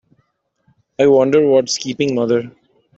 I wonder what's keeping mother?